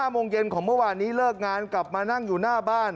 โมงเย็นของเมื่อวานนี้เลิกงานกลับมานั่งอยู่หน้าบ้าน